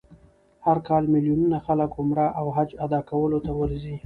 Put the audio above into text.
هر کال میلیونونه خلک عمره او حج ادا کولو ته ورځي.